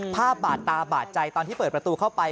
บาดตาบาดใจตอนที่เปิดประตูเข้าไป